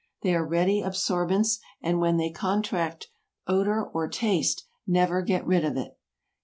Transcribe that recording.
They are ready absorbents, and when they contract odor or taste, never get rid of it.